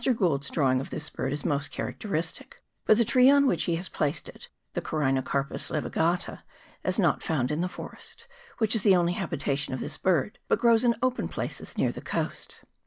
Gould's drawing of this bird is most characteristic ; but the tree on which he has placed it, the Corynocarpus Isevigata, is not found in the forest, which is the only habitation of this bird, but grows in open places near the coast.